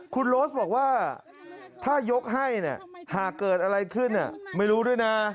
คุณโรสบอกว่าถ้ายกให้เนี่ยหากเกิดอะไรขึ้นไม่รู้ด้วยนะ